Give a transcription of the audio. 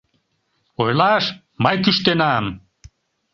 Ойлаш: мый кӱштенам!